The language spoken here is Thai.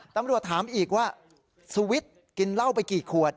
ตำรวจถามอีกว่าสวิทย์กินเหล้าไปกี่ขวด